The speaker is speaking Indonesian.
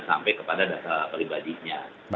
sampai kepada dasar pribadinya